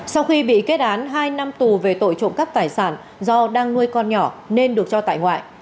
sau khi bị kết án hai năm tù về tội trộm cắp tài sản do đang nuôi con nhỏ nên được cho tại ngoại